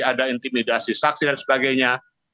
ada intimidasi saksi dan sebagainya